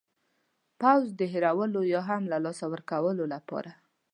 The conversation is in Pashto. پوځ د هېرولو یا هم له لاسه ورکولو لپاره.